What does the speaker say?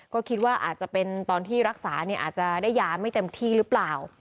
ก็คิดว่าอาจจะเป็นตอนที่รักษาเนี่ยอาจจะได้ยาไม่เต็มที่หรือเปล่า